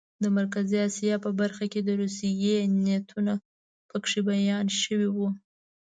د مرکزي اسیا په برخه کې د روسیې نیتونه پکې بیان شوي وو.